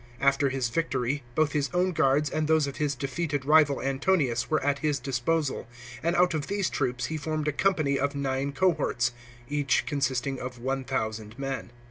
After his victory both his own guards and those of his defeated rival AntoniUs were at his disposal, and out of these troops he formed a company of nine cohorts, each consisting of 1000 men.